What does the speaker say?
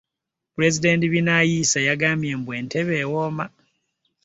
Pulezidenti Binayisa yagamba mbu entebe ewooma.